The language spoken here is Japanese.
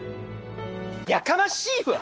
やかましいわ！